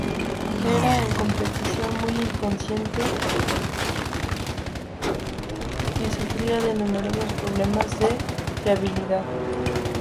Era en competición muy inconsistente y sufría de numerosos problemas de fiabilidad.